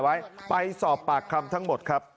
อำเภอโพธาราม